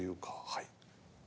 はい。